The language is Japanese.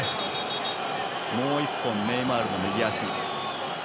もう１本、ネイマールの右足。